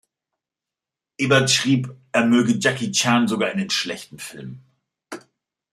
Ebert schrieb, er möge Jackie Chan sogar in den schlechten Filmen.